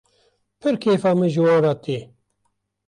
Pir kêfa min ji wan re tê.